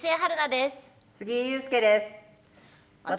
杉井勇介です。